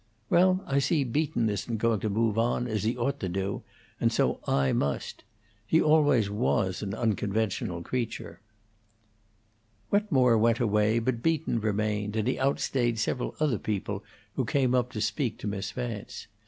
Well, I see Beaton isn't going to move on, as he ought to do; and so I must. He always was an unconventional creature." Wetmore went away, but Beaton remained, and he outstayed several other people who came up to speak to Miss Vance.